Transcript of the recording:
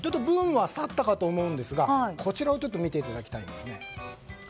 ブームは去ったかと思うんですがこちらを見ていただきたいんです。